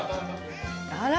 あら！